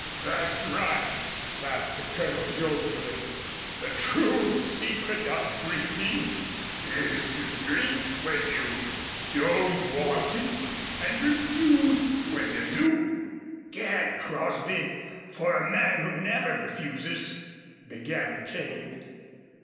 "That's right," laughed the Colonel jovially. "The true secret of drinking is to drink when you don't want it and refuse when you do." "Gad! Crosby, for a man who never refuses " began Kane.